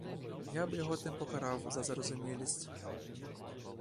Я би його тим покарав за зарозумілість.